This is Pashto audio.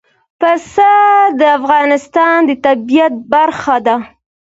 پسه د افغانستان د طبیعت برخه ده.